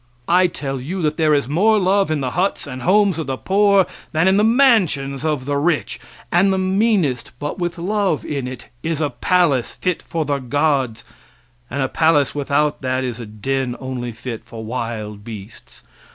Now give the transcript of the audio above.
I tell you that there is more love in the huts and homes of the poor, than in the mansions of the rich, and the meanest but with love in it is a palace fit for the gods, and a palace without that, is a den only fit for wild beasts.